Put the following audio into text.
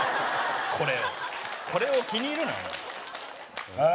これをこれを気に入るなあ